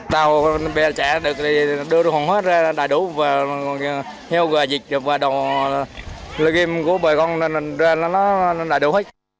tàu bè trẻ được đưa hồn hóa ra đầy đủ heo gà dịch và đồ lưu kim của bà con ra đầy đủ hết